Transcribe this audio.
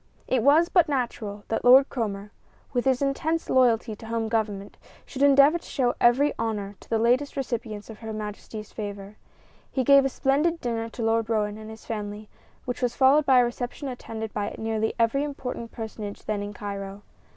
It was but natural that Lord Cromer, with his intense loyalty to the home Government, should endeavor to show every honor to the latest recipients of Her Majesty's favor. He gave a splendid dinner to Lord Roane and his family, which was followed by a reception attended by nearly every important personage then in Cairo.